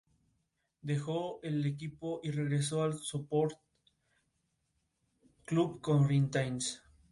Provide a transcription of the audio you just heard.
Dejó el equipo y regresó al Sport Club Corinthians.